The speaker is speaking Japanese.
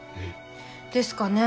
ですかね。